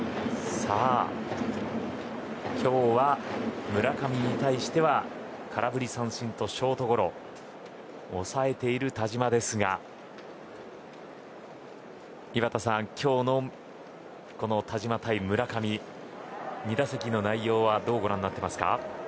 今日は村上に対しては空振り三振とショートゴロに抑えている田嶋ですが井端さん、今日の田嶋対村上２打席の内容はどうご覧になっていますか。